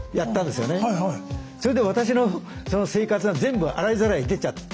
それで私のその生活が全部洗いざらい出ちゃって。